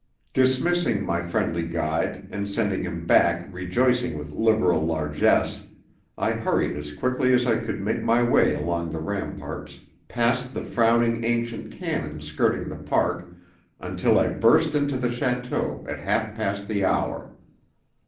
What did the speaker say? Dismissing my friendly guide, and sending him back rejoicing with liberal largesse, I hurried as quickly as I could make my way along the ramparts, past the frowning, ancient cannon skirting the park, until I burst into the château at half past the hour.